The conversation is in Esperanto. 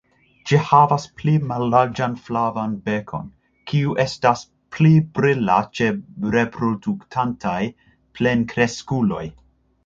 Ĝi havas pli mallarĝan flavan bekon, kiu estas pli brila ĉe reproduktantaj plenkreskuloj.